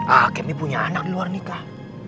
alkemi punya anak di luar nikah